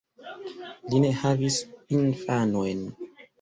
Li ne havis infanojn.